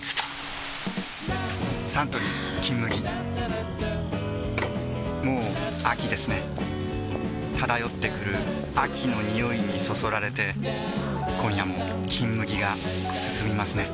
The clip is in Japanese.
サントリー「金麦」もう秋ですね漂ってくる秋の匂いにそそられて今夜も「金麦」がすすみますね